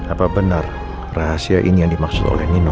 apa benar rahasia ini yang dimaksud oleh nino